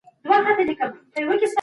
ما تاسي ته زنګ وواهه.